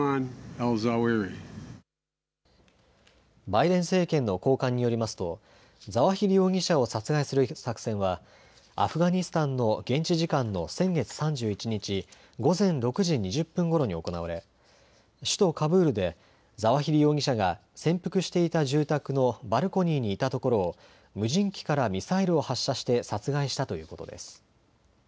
バイデン政権の高官によりますとザワヒリ容疑者を殺害する作戦はアフガニスタンの現地時間の先月３１日午前６時２０分ごろに行われ首都カブールでザワヒリ容疑者が潜伏していた住宅のバルコニーにいたところを無人機からミサイルを発射して殺害したということです。